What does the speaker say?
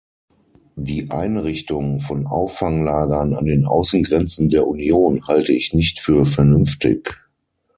Die Einrichtung von Auffanglagern an den Außengrenzen der Union halte ich nicht für vernünftig.